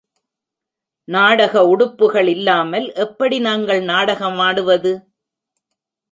நாடக உடுப்புகள் இல்லாமல் எப்படி நாங்கள் நாடகமாடுவது?